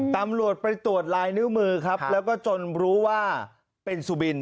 ตำรวจไปตรวจลายนิ้วมือครับแล้วก็จนรู้ว่าเป็นสุบิน